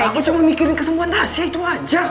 aku cuma mikirin kesemuan tasya itu aja